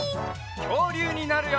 きょうりゅうになるよ！